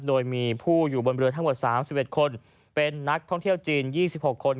โดยมีผู้อยู่บนเรือทั้งหมดสามสิบเอ็ดคนเป็นนักท่องเที่ยวจีนยี่สิบหกคน